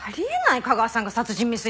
架川さんが殺人未遂なんて。